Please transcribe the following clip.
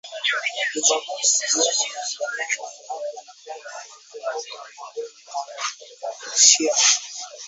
Jumamosi jioni maandamano ya hapa na pale yalizuka miongoni mwa wa shia